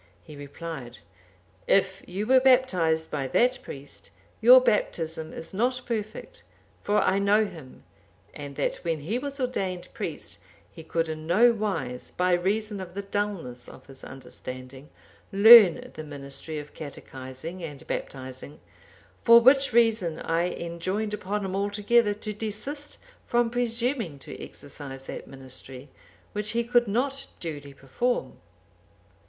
He replied, 'If you were baptized by that priest, your baptism is not perfect; for I know him, and that when he was ordained priest, he could in no wise, by reason of the dulness of his understanding, learn the ministry of catechizing and baptizing; for which reason I enjoined upon him altogether to desist from presuming to exercise that ministry, which he could not duly perform.